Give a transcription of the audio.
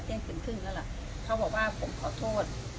เที่ยงคืนครึ่งแล้วล่ะเขาบอกว่าผมขอโทษ